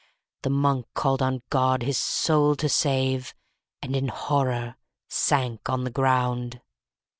The Monk called on God his soul to save, And, in horror, sank on the ground.